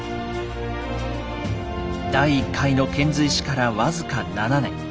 第１回の遣隋使から僅か７年。